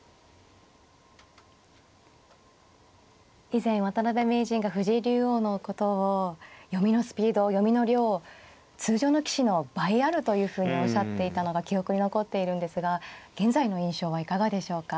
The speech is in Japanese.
以前渡辺名人が藤井竜王のことを読みのスピード読みの量を通常の棋士の倍あるというふうにおっしゃっていたのが記憶に残っているんですが現在の印象はいかがでしょうか。